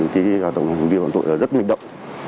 các tổng thống viên hoạt động rất manh động